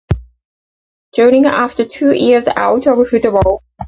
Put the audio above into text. Joining after two years out of football.